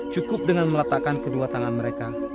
cukup dengan meletakkan kedua tangan mereka